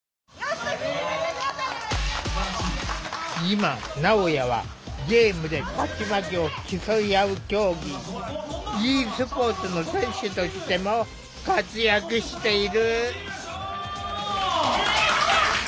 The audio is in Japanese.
今なおやはゲームで勝ち負けを競い合う競技ｅスポーツの選手としても活躍している。